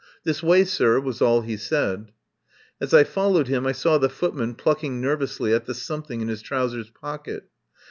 "This way, sir," was all he said. As I followed him I saw the footman plucking nervously at the something in his trousers pocket.